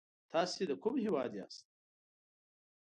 تاسې د کوم هيواد ياست؟